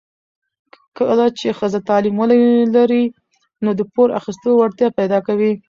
کله چې ښځه تعلیم ولري، نو د پور اخیستو وړتیا پیدا کوي.